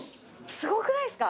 すごくないですか。